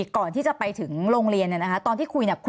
ตอนที่จะไปอยู่โรงเรียนนี้แปลว่าเรียนจบมไหนคะ